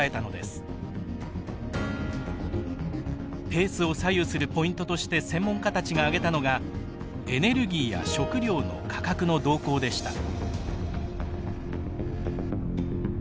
ペースを左右するポイントとして専門家たちが挙げたのがエネルギーや食料の価格の動向でした。